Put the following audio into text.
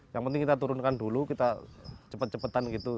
yang penting kita turunkan dulu kita cepat cepatan gitu